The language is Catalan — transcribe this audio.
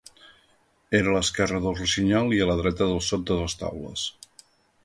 Era a l'esquerra del Rossinyol i a la dreta del Sot de les Taules.